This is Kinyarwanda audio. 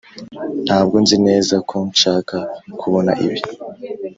ntabwo nzi neza ko nshaka kubona ibi.